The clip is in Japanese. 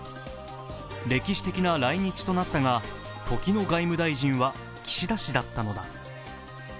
歴史的な来日となったが時の外務大臣は岸田氏だったのだ。